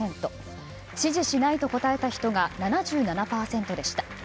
支持しないと答えた人が７７％でした。